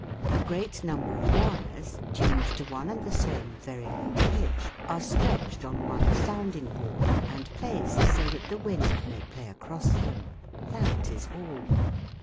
A great number of wires, tuned to one and the same very low pitch, are stretched on one sounding board, and placed so that the wind may play across them : that is all.